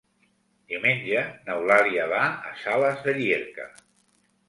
Diumenge n'Eulàlia va a Sales de Llierca.